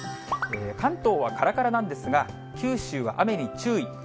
関東はからからなんですが、九州は雨に注意、